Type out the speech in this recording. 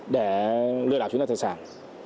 để lừa đảo chiếm lọt tài sản